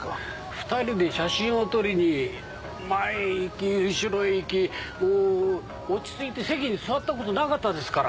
２人で写真を撮りに前へ行き後ろへ行き落ち着いて席に座ったことなかったですから。